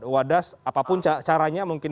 wadah apapun caranya mungkin